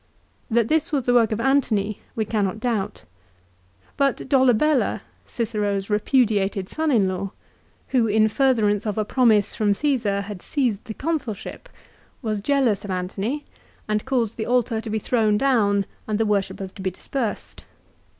That this was the work of Antony we cannot doubt. But Dola bella, Cicero's repudiated son in law, who in furtherance of 222 LIFE OF CICERO. a promise from Caesar had seized the Consulship, was jealous of Antony and caused the altar to be thrown down and the worshippers to be dispersed.